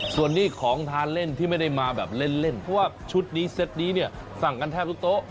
ส่วนนี้ของทานเล่นที่ไม่ได้มาแบบเล่นเพราะว่าชุดนี้เซ็ตนี้เนี่ยสั่งกันแทบทุกโต๊ะ